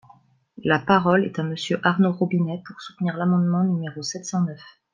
La parole est à Monsieur Arnaud Robinet, pour soutenir l’amendement numéro sept cent neuf.